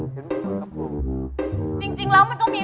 ไม่มีเลยค่ะวันนี้มาเดี๋ยวตัวเลย